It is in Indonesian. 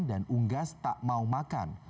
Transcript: dan unggas tak mau makan